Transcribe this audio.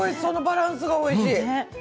バランスがおいしい。